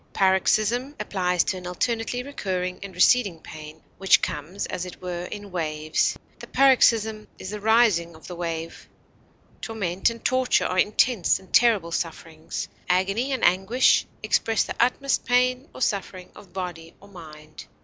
Paroxysm applies to an alternately recurring and receding pain, which comes as it were in waves; the paroxysm is the rising of the wave. Torment and torture are intense and terrible sufferings. Agony and anguish express the utmost pain or suffering of body or mind.